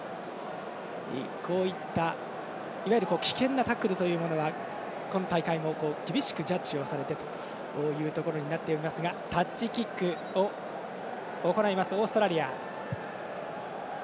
こういった、いわゆる危険なタックルというものが今大会も厳しくジャッジされていますがタッチキックを行いますオーストラリア。